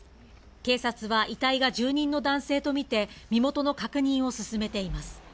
警察は遺体が住人の男性とみて身元の確認を進めています。